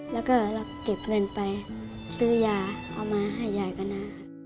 แล้วก็คิดเงินไปซื้อยาเอามาให้ยายก็นะ